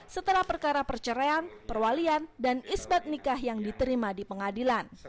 setelah perkara perceraian perwalian dan isbat nikah yang diterima di pengadilan